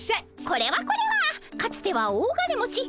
これはこれはかつては大金持ち